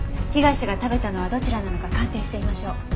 被害者が食べたのはどちらなのか鑑定してみましょう。